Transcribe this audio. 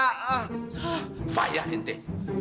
hah faya ente